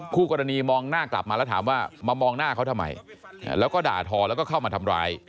คู่กรณีมองหน้ากลับมาแล้วถามว่ามามองหน้าเขาทำไมแล้วก็ด่าทอแล้วก็เข้ามาทำร้าย